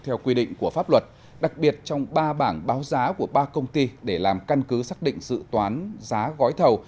theo quy định của pháp luật đặc biệt trong ba bảng báo giá của ba công ty để làm căn cứ xác định dự toán giá gói thầu